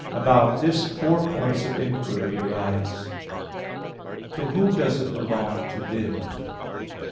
About this, four points of inquiry arise: (1) To whom does it belong to live?